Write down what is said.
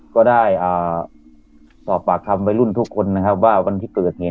ก็ได้สอบปากคำวัยรุ่นทุกคนนะครับว่าวันที่เกิดเนี่ย